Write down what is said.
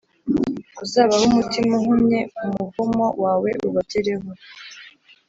Uzabahe umutima uhumye, Umuvumo wawe ubagereho.